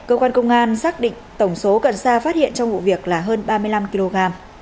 cơ quan công an xác định tổng số cần sa phát hiện trong vụ việc là hơn ba mươi năm kg